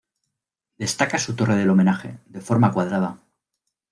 Destaca su torre del homenaje, de forma cuadrada.